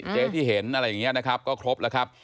เจ๊ที่เห็นอะไรอย่างนี้นะครับก็ครบแล้วครับ